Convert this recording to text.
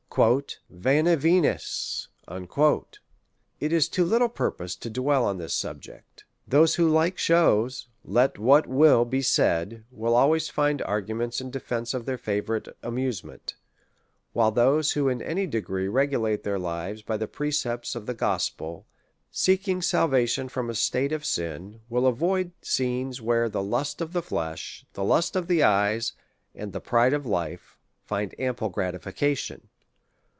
'' Vana \Lmis!" It is to little purpose to dwell on this subject: those who like shows^ let what will be saidj will always find arguments in defence of their favourite amusement; while those who in any degree regulate their lives by the precepts of the gos pel, seeking salvation from a state of sin, will avoid scenes where the lust of the flesh, the lust of the eyes, and the pride of life, find ample gratification.